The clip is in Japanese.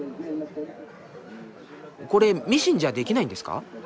これミシンじゃできないんですか？